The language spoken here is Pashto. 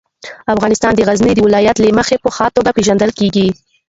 افغانستان د غزني د ولایت له مخې په ښه توګه پېژندل کېږي.